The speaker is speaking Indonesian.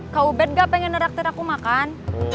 kau obet gak pengen nerak nerak aku makan